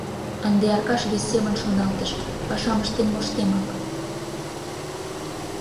Ынде Аркаш вес семын шоналтыш: «Пашам ыштен моштемак.